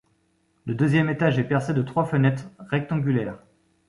Le deuxième étage est percé de trois fenêtres rectangulaires.